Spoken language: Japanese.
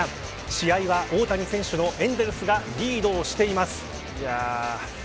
試合は大谷選手のエンゼルスがリードをしています。